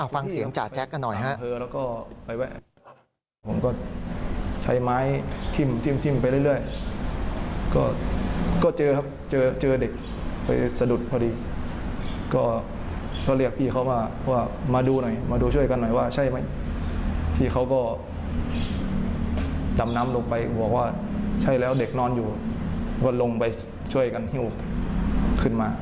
ฟังเสียงจ่าแจ๊คกันหน่อยฮะ